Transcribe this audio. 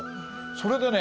それでね